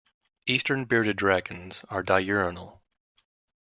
Eastern bearded dragons are diurnal.